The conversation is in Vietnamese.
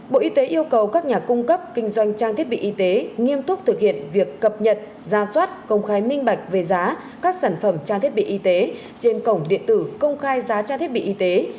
bộ y tế yêu cầu các nhà cung cấp kinh doanh trang thiết bị y tế nghiêm túc thực hiện việc cập nhật ra soát công khai minh bạch về giá các sản phẩm trang thiết bị y tế trên cổng điện tử công khai giá thiết bị y tế